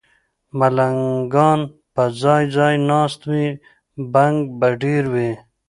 ملنګان به ځای، ځای ناست وي، بنګ به ډېر وي